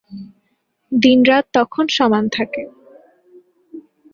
দিন-রাত তখন সমান থাকে।